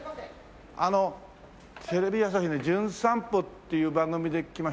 あのテレビ朝日の『じゅん散歩』っていう番組で来ました